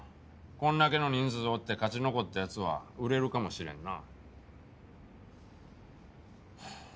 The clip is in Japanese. こんだけの人数おって勝ち残った奴は売れるかもしれんな。